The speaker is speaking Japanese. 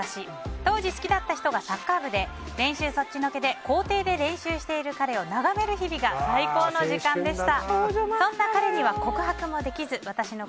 当時好きだった人がサッカー部で練習そっちのけで校庭で練習している彼を眺める日々が最高の時間でした。